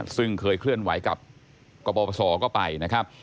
ซึ่งเคยเคลื่อนไหวกับกปศก็ไปนะครับ